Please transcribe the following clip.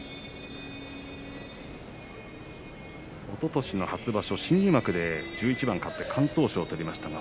おととしの初場所新入幕で１１番勝って敢闘賞を取っています。